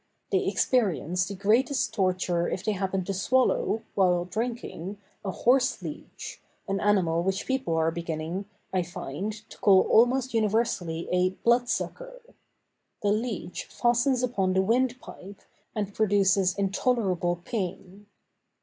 They experience the greatest torture if they happen to swallow, while drinking, a horseleech, an animal which people are beginning, I find, to call almost universally a "blood sucker." The leech fastens upon the wind pipe, and produces intolerable pain.